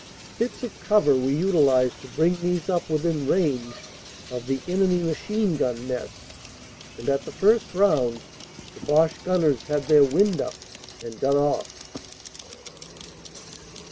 Bits of cover were utilized to bring these up within range of the enemy machine gun nests, and at the first round the Boche gunners had their "wind up" and got off.